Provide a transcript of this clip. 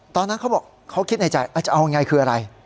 เขาบอกเขาคิดในใจจะเอายังไงคืออะไร